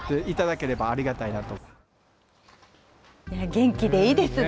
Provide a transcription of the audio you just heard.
元気でいいですね。